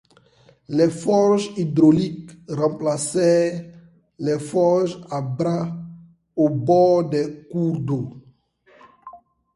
Les forges hydrauliques remplacèrent les forges à bras au bord des cours d'eau.